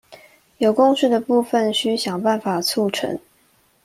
有共識的部分須想辦法促成